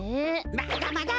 まだまだ！